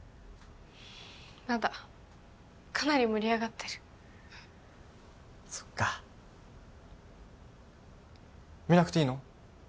まだかなり盛り上がってるそっか見なくていいの？